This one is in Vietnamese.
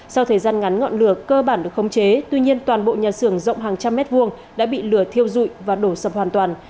sau thời gian ngắn ngọn lửa cơ bản được không chế tuy nhiên toàn bộ nhà xưởng rộng hàng trăm mét vuông đã bị lửa thiêu dụi và đổ sập hoàn toàn